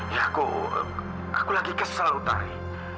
ya aku aku lagi kesel utari